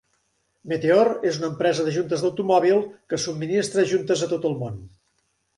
Meteor és una empresa de juntes d'automòbils que subministra juntes a tot el món.